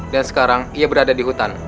dan sekarang ia berada di hutan